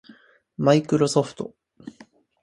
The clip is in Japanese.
マイクロソフト